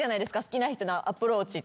好きな人のアプローチって。